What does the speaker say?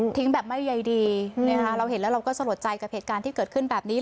เอาไปทิ้งด้วยแบบไม่ใยดีเราก็สะดวกใจกับเหตุการณ์ที่เกิดขึ้นแบบนี้